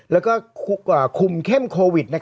แล้วก็คุมเข้มโควิด